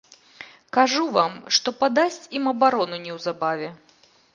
Кажу вам, што падасць ім абарону неўзабаве.